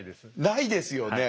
ないですよね。